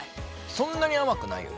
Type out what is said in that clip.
そんなに甘くないよね。